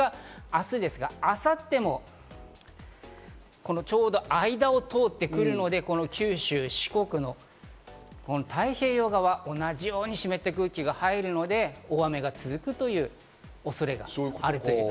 それが明日ですが、明後日もこのちょうど間を通ってくるので、九州・四国のこの太平洋側、同じように湿った空気が入るので大雨が続くという恐れがある。